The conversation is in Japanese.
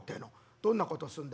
「どんなことすんだ？」。